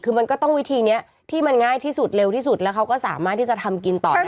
คือมันก็ต้องวิธีนี้ที่มันง่ายที่สุดเร็วที่สุดแล้วเขาก็สามารถที่จะทำกินต่อได้